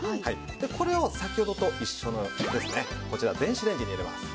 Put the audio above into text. でこれを先ほどと一緒のこちら電子レンジに入れます。